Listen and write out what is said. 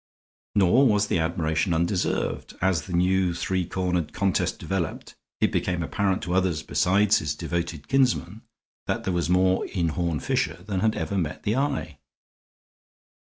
Nor was the admiration undeserved. As the new three cornered contest developed it became apparent to others besides his devoted kinsman that there was more in Horne Fisher than had ever met the eye.